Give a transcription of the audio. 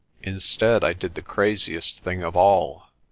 Instead I did the craziest thing of all.